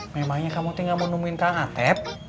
memangnya kamu tinggal mau nemuin kang ateb